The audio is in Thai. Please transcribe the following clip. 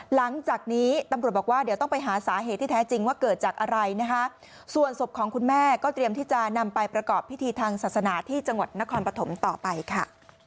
หลังจากนี้ตำรวจบอกว่าเดี๋ยวต้องไปหาสาเหตุที่แท้จริงว่าเกิดจากอะไรนะคะส่วนศพของคุณแม่ก็เตรียมที่จะนำไปประกอบพิธีทางศาสนาที่จังหวัดนครปฐมต่อไปค่ะ